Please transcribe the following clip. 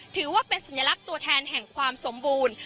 ถือว่าเป็นสัญลักษณ์ตัวแทนแห่งความสมบูรณ์